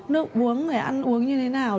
nước uống hay ăn uống như thế nào